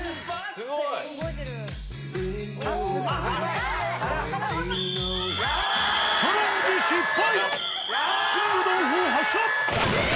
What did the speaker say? すごい。チャレンジ失敗。